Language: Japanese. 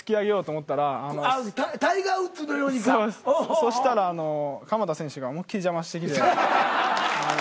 そしたらあの鎌田選手が思いっ切り邪魔してきて。